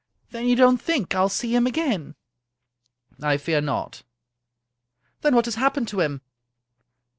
" Then you don't think I'll see him again ?" "I fear not." " Then what has happened to him